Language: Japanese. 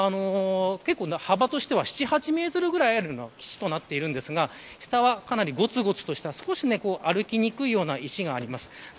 幅としては７、８メートルぐらいあるような岸となっていますが下は、かなりごつごつとした少し歩きにくいような石があります。